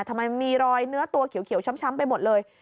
ทำไมมีรอยเนื้อตัวเขียวช้ำไปหมดเลย